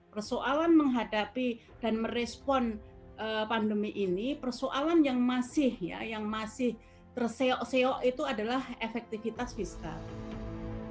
persoalan menghadapi dan merespon pandemi ini persoalan yang masih ya yang masih terseok seok itu adalah efektivitas fiskal